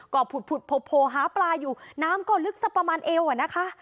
ก็ผุดโผล่หาปลาอยู่น้ำก็ลึกสักประมาณเอวอะนะคะ